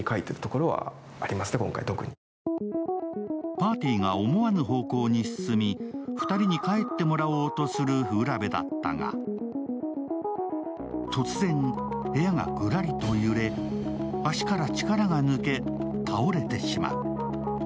パーティーが思わぬ方向に進み、２人に帰ってもらおうとする浦部だったが、突然、部屋がぐらりと揺れ、足から力が抜け、倒れてしまう。